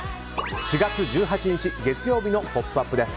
４月１８日、月曜日の「ポップＵＰ！」です。